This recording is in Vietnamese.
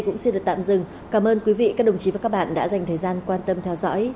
cũng xin được tạm dừng cảm ơn quý vị các đồng chí và các bạn đã dành thời gian quan tâm theo dõi